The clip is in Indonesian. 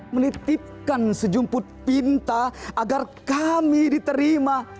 menitipkan sejumput pinta agar kami diterima